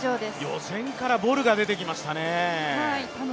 予選からボルが出てきましたね。